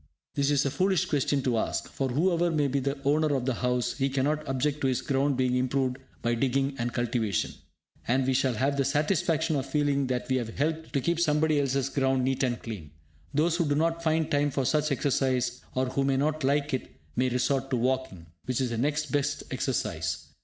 This is a foolish question to ask, for, whoever may be the owner of the house, he cannot object to his ground being improved by digging and cultivation. And we shall have the satisfaction of feeling that we have helped to keep somebody else's ground neat and clean. Those who do not find time for such exercise or who may not like it, may resort to walking, which is the next best exercise.